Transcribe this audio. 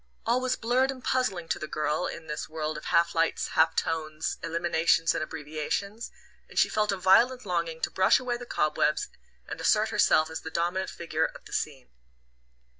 All was blurred and puzzling to the girl in this world of half lights, half tones, eliminations and abbreviations; and she felt a violent longing to brush away the cobwebs and assert herself as the dominant figure of the scene.